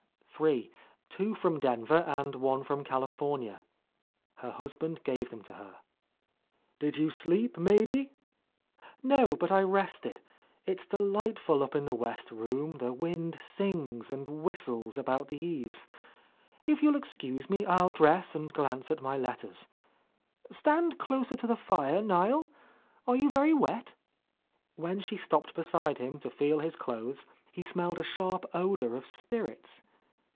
"Three. Two from Denver and one from California." Her husband gave them to her. "Did you sleep, Maidy?" "No, but I rested. It's delightful up in the west room, the wind sings and whistles about the — 7 .' 1 — A Lost Lady eaves. If you'll excuse me, I'll dress and glance at ray letters. Stand closer to the fire, Niel. Are you very wet?" When she stopped beside him to feel his clothes, he smelled a sharp odour of spirits.